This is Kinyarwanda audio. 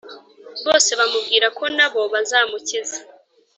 ”. bose bamubwira ko na bo bazamukiza